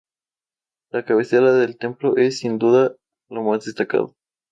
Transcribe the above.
La cabecera del templo es, sin duda, lo más destacado.